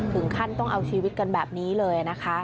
ถึงขั้นต้องเอาชีวิตกันแบบนี้เลยนะคะ